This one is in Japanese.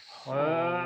へえ。